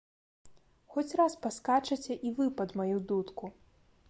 Хоць раз паскачаце і вы пад маю дудку.